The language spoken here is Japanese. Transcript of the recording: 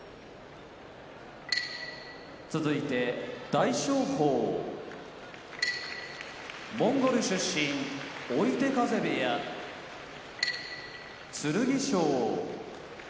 大翔鵬モンゴル出身追手風部屋剣翔